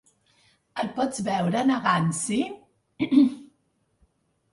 El pots veure negant-s'hi?